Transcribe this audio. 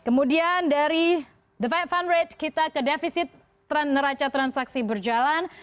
kemudian dari the fed fund rate kita ke defisit neraca transaksi berjalan